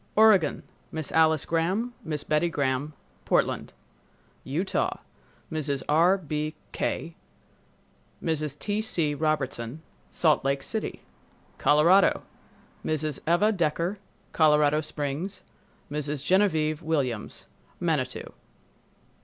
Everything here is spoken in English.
Oregon—Miss Alice Gram, Miss Betty Gram, Portland. Utah—Mrs. R. B. Quay, Mrs. T. C. Robertson, Salt Lake City. Colorado—Mrs. Eva Decker, Colorado Springs, Mrs. Genevieve Williams, Manitou.